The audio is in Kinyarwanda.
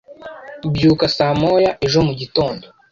Byuka saa moya ejo mugitondo.